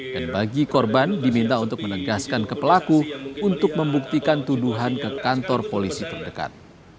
bagi korban diminta untuk menegaskan ke pelaku untuk membuktikan tuduhan ke kantor polisi terdekat